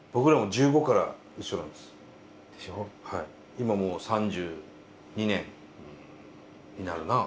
今もう３２年になるなあ。